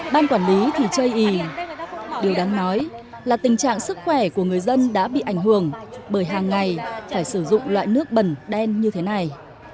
ban quản lý thì chơi ý điều đáng nói là tình trạng sức khỏe của người dân đã bị ảnh hưởng bởi hàng ngày phải sử dụng loại nước bẩn đen như thế này